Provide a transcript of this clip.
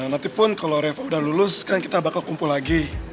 nanti pun kalau revo udah lulus kan kita bakal kumpul lagi